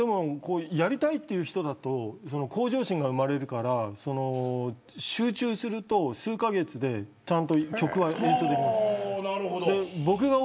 やりたいという人だと向上心が生まれるから集中すると数カ月でちゃんと曲は演奏できます。